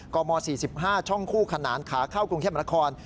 กม๔๕ช่องคู่ขนานขาเข้ากรุงเทพมนาคม